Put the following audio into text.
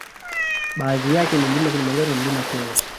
Baadhi yake ni mlima kilimanjaro na mlima Kenya